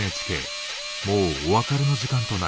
もうお別れの時間となりました。